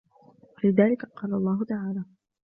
وَلِذَلِكَ قَالَ اللَّهُ تَعَالَى